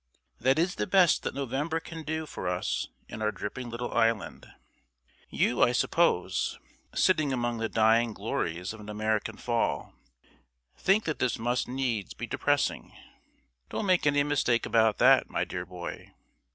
That is the best that November can do for us in our dripping little island. You, I suppose, sitting among the dying glories of an American fall, think that this must needs be depressing. Don't make any mistake about that, my dear boy.